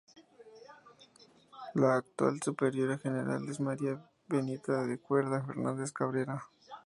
La actual superiora general es María Benita de la Cuerda Fernández Cabrera.